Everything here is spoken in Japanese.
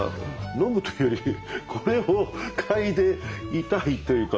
飲むというよりこれを嗅いでいたいというか。